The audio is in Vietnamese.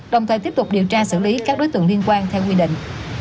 đồng thời tiếp tục điều tra xử lý các đối tượng liên quan theo quy định